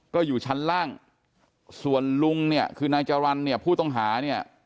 ก็อยู่ชั้นล่างส่วนลุงเนี่ยคือนายจรรย์เนี่ยผู้ต้องหาเนี่ย